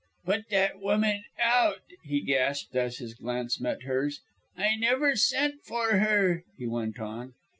"Put that woman out," he gasped as his glance met hers. "I never sent for her," he went on.